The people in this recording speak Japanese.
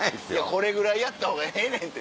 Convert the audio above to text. これぐらいやった方がええねんて